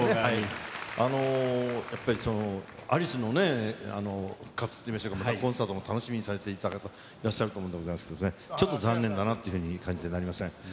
やっぱりアリスのね、復活って言いましたけど、コンサートも楽しみにされていた方、いらっしゃると思うんでございますけれどもね、ちょっと残念だなというふうに感じてなりません。